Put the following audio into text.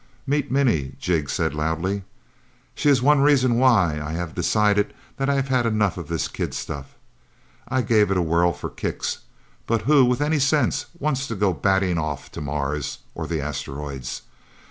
"Meet Minnie," Jig said loudly. "She is one reason why I have decided that I've had enough of this kid stuff. I gave it a whirl for kicks. But who, with any sense, wants to go batting off to Mars or the Asteroids?